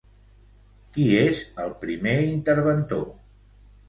Qui és el primer interventor?